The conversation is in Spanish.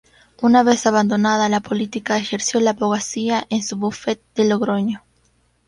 Una vez abandonada la política ejerció la abogacía en su bufete de Logroño.